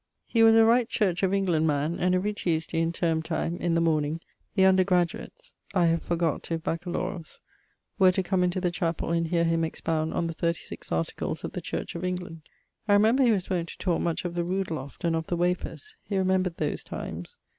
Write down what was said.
He was a right Church of England man, and every Tuesday, in terme time, in the morning, the undergraduates (I have forgott if baccalaurs) were to come into the chapell and heare him expound on the 36 Articles of the Church of England. I remember he was wont to talke much of the rood loft, and of the wafers: he remembred those times.